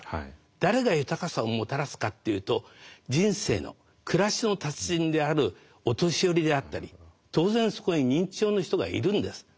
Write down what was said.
誰が豊かさをもたらすかっていうと人生の暮らしの達人であるお年寄りであったり当然そこに認知症の人がいるんです。